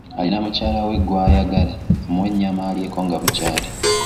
Alina mukyala we gw'ayagala amuwe ennyama alyeko nga bukyali.